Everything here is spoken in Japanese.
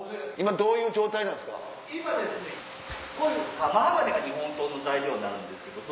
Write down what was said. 今どういう状態なんですか？